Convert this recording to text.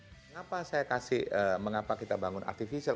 kenapa saya kasih mengapa kita bangun artificial